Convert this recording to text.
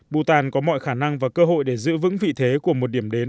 bhutan có mọi khả năng và cơ hội để giữ vững vị thế của một điểm tham quan